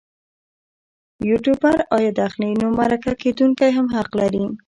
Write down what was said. یوټوبر عاید اخلي نو مرکه کېدونکی هم حق لري.